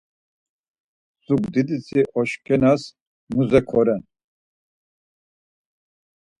Zugdidişi oşkenas muze koren.